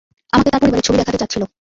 আমাকে তার পরিবারের ছবি দেখাতে চাচ্ছিলো।